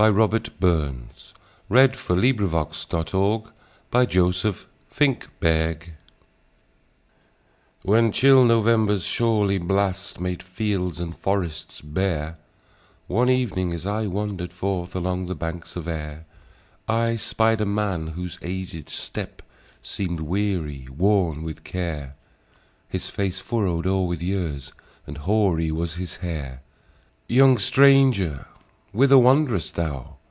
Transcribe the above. a devilish change indeed. Man Was Made To Mourn: A Dirge When chill November's surly blast Made fields and forests bare, One ev'ning, as I wander'd forth Along the banks of Ayr, I spied a man, whose aged step Seem'd weary, worn with care; His face furrow'd o'er with years, And hoary was his hair. "Young stranger, whither wand'rest thou?"